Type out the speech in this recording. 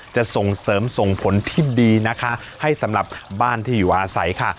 จะส่งเสริมส่งผลที่ดีนะคะให้สำหรับบ้านที่อยู่อาศัยค่ะ